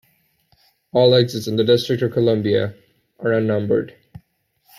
All exits in the District of Columbia are unnumbered.